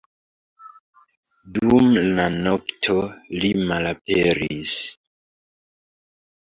Dum la nokto, li malaperis.